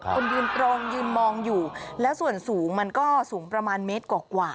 คนยืนตรงยืนมองอยู่แล้วส่วนสูงมันก็สูงประมาณเมตรกว่า